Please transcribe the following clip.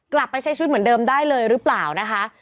กลับไปใช้ชีวิตเหมือนเดิมได้เลยหรือเปล่านะคะ